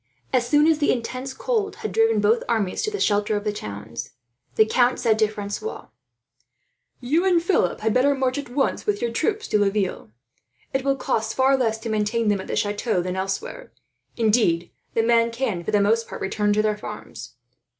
As soon as the intense cold had driven both armies to the shelter of the towns, the count said to Francois: "You and Philip had better march at once, with your troop, to Laville. It will cost far less to maintain them at the chateau, than elsewhere; indeed the men can, for the most part, return to their farms.